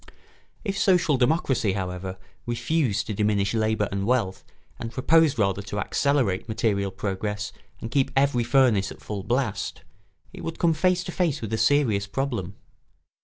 ] If social democracy, however, refused to diminish labour and wealth and proposed rather to accelerate material progress and keep every furnace at full blast, it would come face to face with a serious problem.